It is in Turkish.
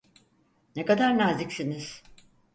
Ne kadar naziksiniz.